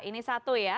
ini satu ya